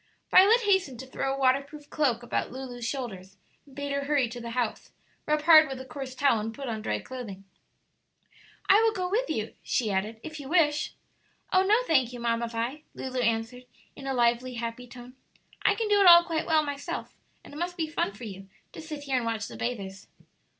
Violet hastened to throw a waterproof cloak about Lulu's shoulders, and bade her hurry to the house, rub hard with a coarse towel, and put on dry clothing. "I will go with you," she added, "if you wish." "Oh no, thank you, Mamma Vi," Lulu answered, in a lively, happy tone. "I can do it all quite well myself, and it must be fun for you to sit here and watch the bathers."